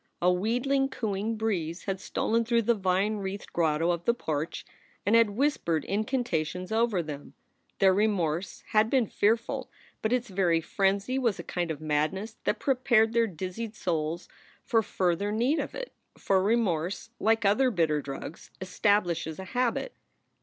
A wheedling, cooing breeze had stolen through the vine wreathed grotto of the porch, and had whispered incanta tions over them. Their remorse had been fearful, but its very frenzy was a kind of madness that prepared their dizzied souls for further need of it. For remorse, like other bitter drugs, establishes a habit.